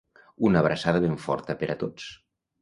Una abraçada ben forta per a tots.